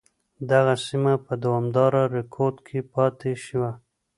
دغه سیمه په دوامداره رکود کې پاتې شوه.